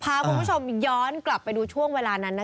พาคุณผู้ชมย้อนกลับไปดูช่วงเวลานั้นนะคะ